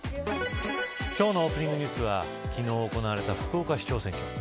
今日のオープニングニュースは昨日、行われた福岡市長選挙。